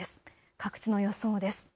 各地の予想です。